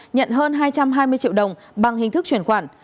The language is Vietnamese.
nhận hơn hai trăm hai mươi triệu đồng bằng hình thức chuyển khoản